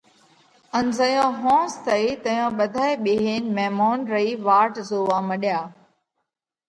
ان زئيون ۿونز ٿئِي تئيون ٻڌائي ٻيهينَ ميمونَ رئي واٽ زوئا مڏيا۔